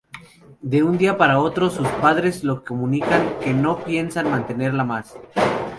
De un día para otro, sus padres le comunican que no piensan mantenerla más.